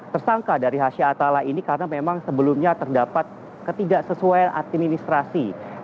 tersangka dari hasha atala ini karena memang sebelumnya terdapat ketidaksesuaian administrasi